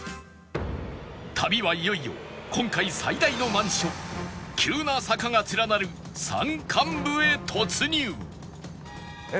旅はいよいよ今回最大の難所急な坂が連なる山間部へ突入